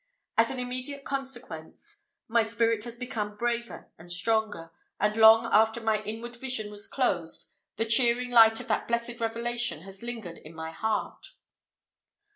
As an immediate consequence, my spirit has become braver and stronger, and long after my inward vision was closed, the cheering light of that blessed revelation has lingered in my heart.